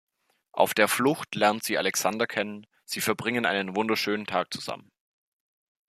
Auf der Flucht lernt sie Alexander kennen, sie verbringen einen wunderschönen Tag zusammen.